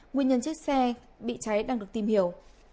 nguyên nhân chiếc xe bị cháy đang được tìm hiểu